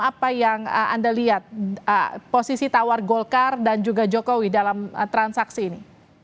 apa yang anda lihat posisi tawar golkar dan juga jokowi dalam transaksi ini